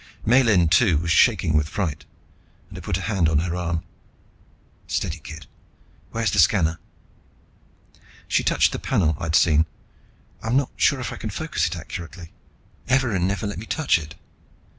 Miellyn, too, was shaking with fright, and I put a hand on her arm. "Steady, kid. Where's the scanner?" She touched the panel I'd seen. "I'm not sure I can focus it accurately. Evarin never let me touch it."